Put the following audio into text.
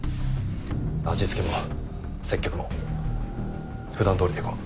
味付けも接客も普段どおりでいこう。